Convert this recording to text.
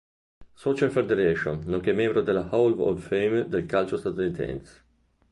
Soccer Federation nonché membro della Hall of Fame del calcio statunitense.